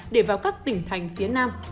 để vào các tỉnh thành phía nam